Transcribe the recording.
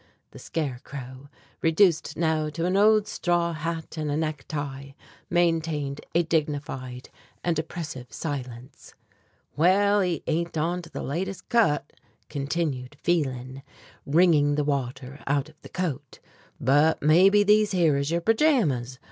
The scarecrow, reduced now to an old straw hat and a necktie, maintained a dignified and oppressive silence. "Well, he ain't on to the latest cut," continued Phelan, wringing the water out of the coat. "But maybe these here is your pajamas?